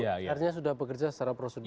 artinya sudah bekerja secara prosedur